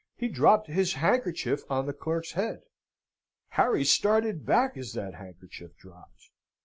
He dropped his handkerchief on the clerk's head. Harry started back as that handkerchief dropped.